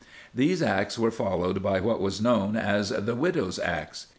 These acts were followed by what were known as "the widows' acts."